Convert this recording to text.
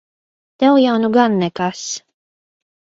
Tev jau nu gan nekas!